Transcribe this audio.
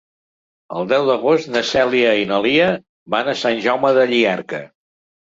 El deu d'agost na Cèlia i na Lia van a Sant Jaume de Llierca.